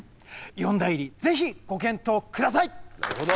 四大入りぜひご検討下さい！